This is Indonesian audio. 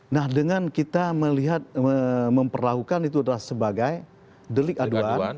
nah dengan kita melihat memperlakukan itu adalah sebagai delik aduan